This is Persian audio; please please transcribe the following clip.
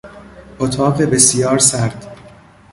اتاق بسیار سرد